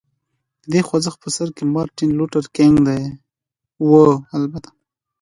د دې خوځښت په سر کې مارټین لوټر کینګ و.